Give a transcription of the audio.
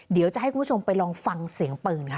เดี๋ยวจะให้คุณผู้ชมไปลองฟังเสียงปืนค่ะ